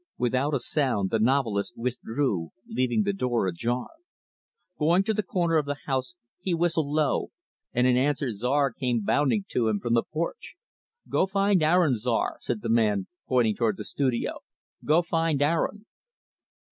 Without a sound, the novelist withdrew, leaving the door ajar. Going to the corner of the house, he whistled low, and in answer, Czar come bounding to him from the porch. "Go find Aaron, Czar," said the man, pointing toward the studio. "Go find Aaron."